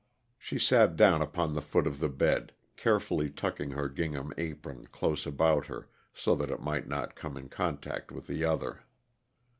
She sat down upon the foot of the bed, carefully tucking her gingham apron close about her so that it might not come in contact with the other.